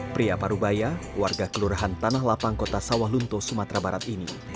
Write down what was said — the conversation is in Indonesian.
pria parubaya warga kelurahan tanah lapang kota sawalunto sumatera barat ini